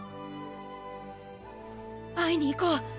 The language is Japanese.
会いに行こう！